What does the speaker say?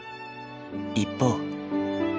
一方。